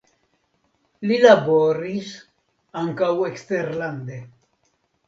Li laboris ankaŭ eksterlande.